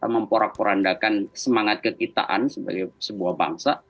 memporak porandakan semangat kekitaan sebagai sebuah bangsa